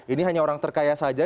ini hanya orang terkaya saja